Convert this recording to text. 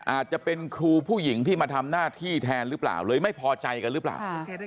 อาจจะเป็นครูผู้หญิงที่มาทำหน้าที่แทนหรือเปล่าเลยไม่พอใจกันหรือเปล่า